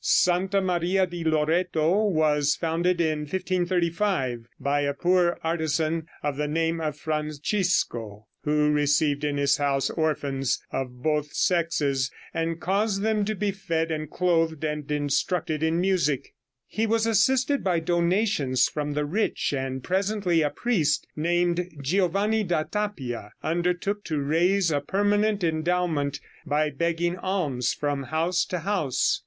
Santa Maria di Loreto was founded in 1535, by a poor artisan of the name of Francisco, who received in his house orphans of both sexes, and caused them to be fed and clothed and instructed in music. He was assisted by donations from the rich, and presently a priest named Giovanni da Tappia undertook to raise a permanent endowment by begging alms from house to house.